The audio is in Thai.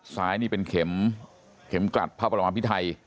ซ้ายนี่เป็นเข็มเข็มกลัดพระบรมพิไทย